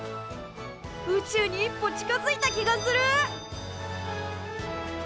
宇宙に一歩近づいた気がする！